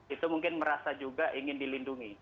itu mungkin merasa juga ingin dilindungi